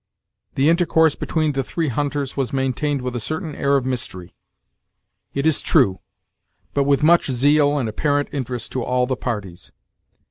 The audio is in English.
The intercourse between the three hunters was maintained with a certain air of mystery, it is true, but with much zeal and apparent interest to all the parties.